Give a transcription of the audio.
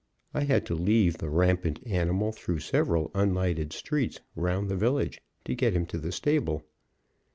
I had to lead the rampant animal through several unlighted streets round the village to get him to the stable.